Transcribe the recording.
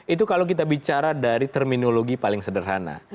itu kalau kita bicara dari terminologi paling sederhana